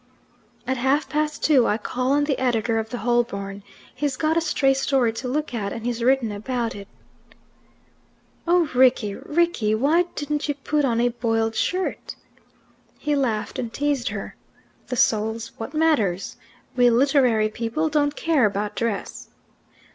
"At half past two I call on the editor of the 'Holborn.' He's got a stray story to look at, and he's written about it." "Oh, Rickie! Rickie! Why didn't you put on a boiled shirt!" He laughed, and teased her. "'The soul's what matters. We literary people don't care about dress."